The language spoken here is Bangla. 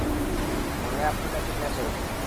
মনে হয় আপনার মেয়ে কিডন্যাপ হয়েছে।